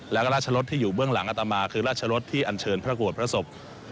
แล้วก็ราชรสที่อยู่เบื้องหลังอัตมาคือราชรสที่อันเชิญพระโกรธพระศพ